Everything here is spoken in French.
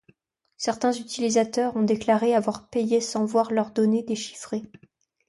Certains utilisateurs ont déclaré avoir payé sans voir leurs données déchiffrées.